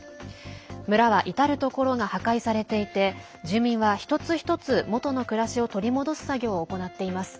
村は至る所が破壊されていて住民は一つ一つ元の暮らしを取り戻す作業を行っています。